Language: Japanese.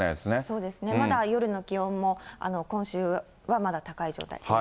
そうですね、まだ夜の気温も今週はまだ高い状態続きそうです。